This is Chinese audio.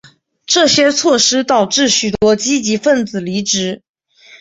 这些措施导致许多积极份子离职。